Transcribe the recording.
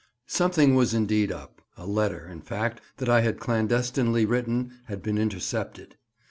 SOMETHING was indeed up; a letter, in fact, that I had clandestinely written had been intercepted.